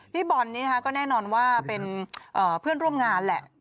พี่บอลนี่นะคะก็แน่นอนว่าเป็นเพื่อนร่วมงานแหละ